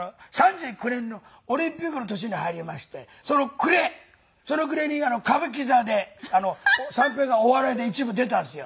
３９年のオリンピックの年に入りましてその暮れその暮れに歌舞伎座で三平さんお笑いで一部出たんですよ。